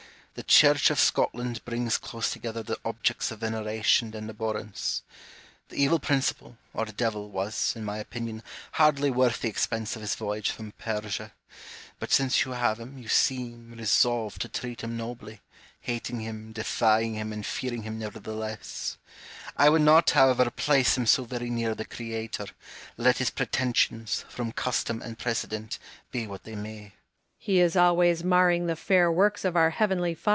The Church of Scotland brings close together the objects of veneration and abhorrence. The evil principle, or devil, was, in my opinion, hardly worth the expense of his voyage from Persia; but, since you have him, you seem resolved to treat him nobly, hating him, defying hira, and fearing him nevertheless. I would not, however, place him so very near the Creator, let his pretensions, from custom and precedent, be what they may.